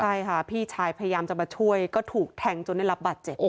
ใช่ค่ะพี่ชายพยายามจะมาช่วยก็ถูกแทงจนได้รับบาดเจ็บ